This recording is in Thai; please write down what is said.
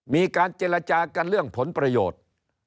มีการเจรจากันเรื่องผลประโยชน์